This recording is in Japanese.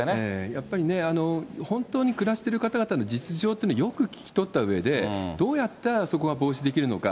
やっぱりね、本当に暮らしている方々の実情ってのをよく聞き取ったうえで、どうやったらそこが防止できるのか。